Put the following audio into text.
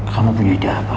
kamu punya ide apa